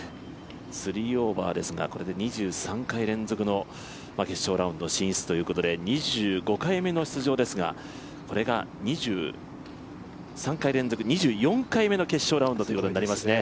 ３オーバーですがこれで２３回連続の決勝ラウンド進出となるわけで２５回目の出場ですが、これが２４回目の決勝ラウンドということになりますね。